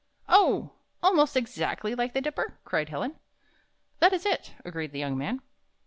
"Oh! almost exactly like the Dipper?" cried Helen. "That is it," agreed the young man.